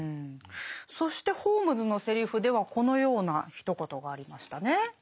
そしてホームズのセリフではこのようなひと言がありましたね。